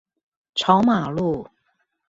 朝馬路